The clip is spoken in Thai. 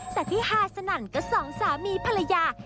แต่ที่ฮาสนั่นก็สองสามีภรรยา